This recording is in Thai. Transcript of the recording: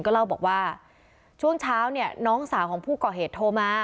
ก็เล่าบอกว่าช่วงเช้าเนี่ยน้องสาวของผู้ก่อเหตุโทรมา